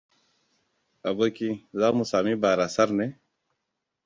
Aboki, za mu sami barasar ne?